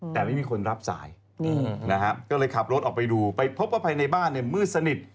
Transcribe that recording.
แต่ไม่มีคนรับสายครับก็เลยขับรถออกไปดูพบอกฮในบ้านมือสนิศ